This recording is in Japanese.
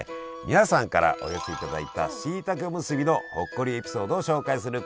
皆さんからお寄せいただいたしいたけおむすびのほっこりエピソードを紹介するコーナーです！